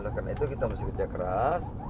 karena itu kita masih kerja keras